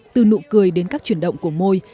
từ nụ cười đến các chuyển động của môi